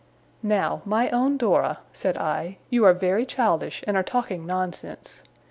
'Now, my own Dora,' said I, 'you are very childish, and are talking nonsense.